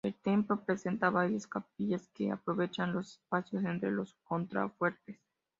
El templo presenta varias capillas que aprovechan los espacios entre los contrafuertes.